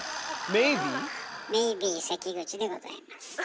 メイビー関口でございます。